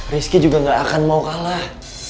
rizky juga gak akan mau kalah